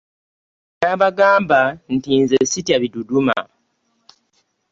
Nabagamba nti nze ssitya biduduma.